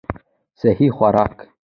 سهي خوراک